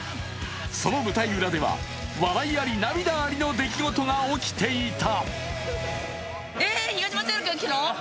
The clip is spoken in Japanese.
その舞台裏では笑いありの涙ありの出来事が起きていた。